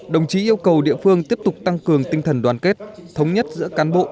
đồng chí yêu cầu địa phương tiếp tục tăng cường tinh thần đoàn kết thống nhất giữa cán bộ